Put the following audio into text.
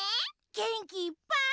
げんきいっぱい。